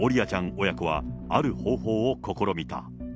ちゃん親子は、ある方法を試みた。